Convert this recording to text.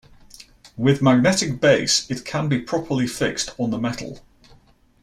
With Magnetic Base it can be properly fixed on the metal.